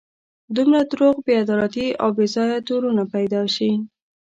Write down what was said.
دومره دروغ، بې عدالتي او بې ځایه تورونه پیدا شي.